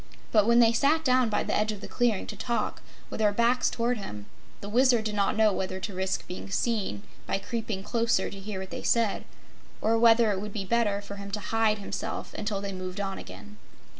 But when they sat down by the edge of the clearing, to talk, with their backs toward him, the Wizard did not know whether to risk being seen, by creeping closer to hear what they said, or whether it would be better for him to hide himself until they moved on again.